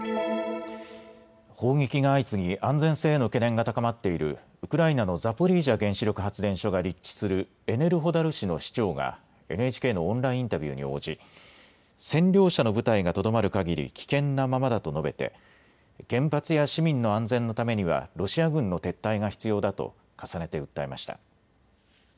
砲撃が相次ぎ安全性への懸念が高まっているウクライナのザポリージャ原子力発電所が立地するエネルホダル市の市長がＮＨＫのオンラインインタビューに応じ占領者の部隊がとどまるかぎり危険なままだと述べて、原発や市民の安全のためにはロシア軍の撤退が必要だと重ねて訴えました。